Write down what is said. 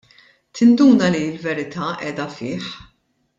Tinduna li l-verità qiegħda fih.